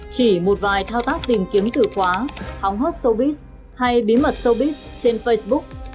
chỉ một vài thao tác tìm kiếm từ khóa hóng hót showbiz hay bí mật showbiz trên facebook